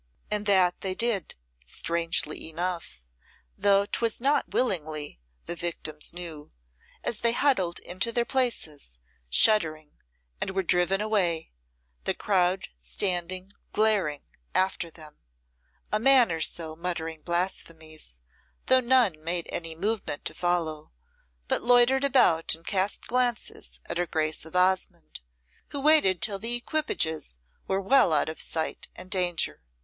And that they did, strangely enough, though 'twas not willingly, the victims knew, as they huddled into their places, shuddering, and were driven away, the crowd standing glaring after them, a man or so muttering blasphemies, though none made any movement to follow, but loitered about and cast glances at her Grace of Osmonde, who waited till the equipages were well out of sight and danger.